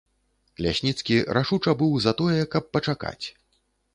Лясніцкі рашуча быў за тое, каб пачакаць.